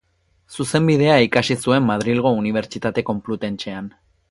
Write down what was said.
Zuzenbidea ikasi zuen Madrilgo Unibertsitate Konplutentsean.